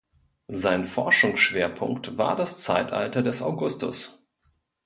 Sein Forschungsschwerpunkt war das Zeitalter des Augustus.